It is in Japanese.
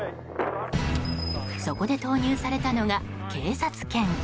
そこで投入されたのが警察犬。